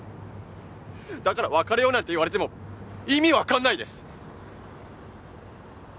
だから別れようなんて言われても意味わかんないです。